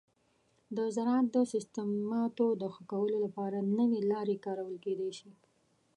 د زراعت د سیستماتو د ښه کولو لپاره نوي لارې کارول کیدی شي.